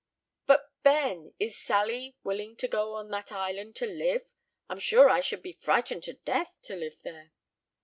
"But, Ben, is Sally willing to go on that island to live? I'm sure I should be frightened to death to live there."